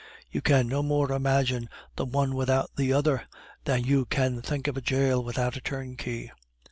You can no more imagine the one without the other, than you can think of a jail without a turnkey.